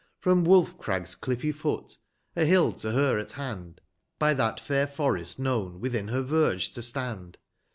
From JVoolfcratjs cliffy foot, a Hill to her at hand. By that fair Forest known, within her verge to stand.